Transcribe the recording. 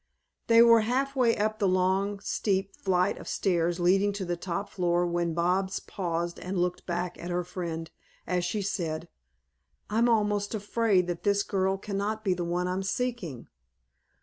They were half way up the long, steep flight of stairs leading to the top floor when Bobs paused and looked back at her friend, as she said: "I'm almost afraid that this girl cannot be the one I am seeking.